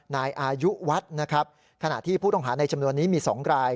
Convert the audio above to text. นายอายุวัดนะครับขณะที่ผู้ต้องหาในจำนวนนี้มี๒ราย